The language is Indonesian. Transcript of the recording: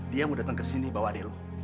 dia mau datang kesini bawa adil